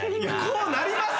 こうなります？